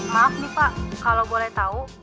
maaf nih pak kalau boleh tahu